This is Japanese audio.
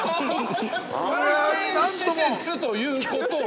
◆体験施設ということは。